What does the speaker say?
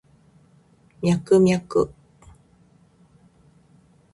ミャクミャク